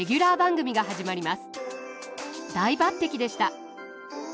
大抜てきでした。